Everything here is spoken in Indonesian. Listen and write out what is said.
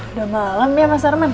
udah malam ya mas arman